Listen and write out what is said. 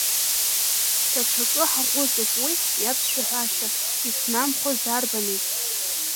Даҽакы ҳаҟәыҵып уи иаԥсшәаҳәашьа ихнамхуаз дарбаныз?!